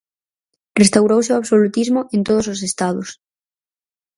Restaurouse o absolutismo en todos os Estados.